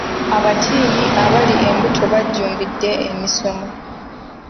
Abatiini abali embuto bajjumbidde emisomo.